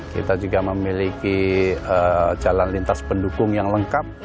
kita juga memiliki jalan lintas pendukung yang lengkap